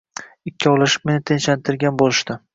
Ikkolvshib meni tinchlantirgan bo`lishdi